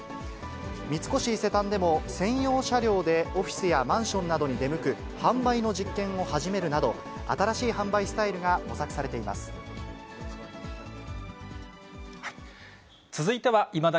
三越伊勢丹でも専用車両でオフィスやマンションなどに出向く販売の実験を始めるなど、新しい販売スタイルが模索されています。